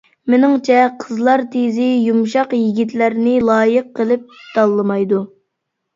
مېنىڭچە قىزلار تىزى يۇمشاق يىگىتلەرنى لايىق قىلىپ تاللىمايدۇ.